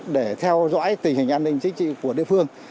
để theo dõi tình hình an ninh chính trị của địa phương